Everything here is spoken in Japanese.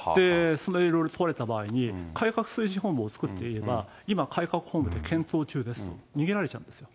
で、問われた場合に改革推進本部を作っていれば、今、改革本部で検討中です、逃げられちゃうんですよ。